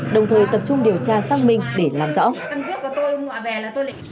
đồng thời tập trung điều tra xác minh để làm rõ